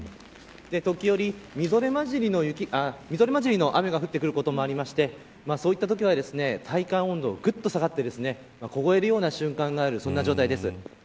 時折みぞれ混じりの雨が降ってくることもありましてそういったときは体感温度が、ぐっと下がって凍えるような瞬間があるそんな状態です。